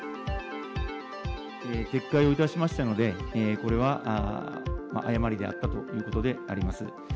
撤回をいたしましたので、これは誤りであったということであります。